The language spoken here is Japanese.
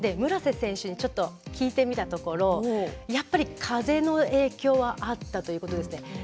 村瀬選手に聞いてみたところやっぱり風の影響はあったということですね。